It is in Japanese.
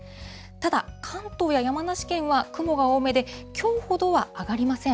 ただ、関東や山梨県は雲が多めで、きょうほどは上がりません。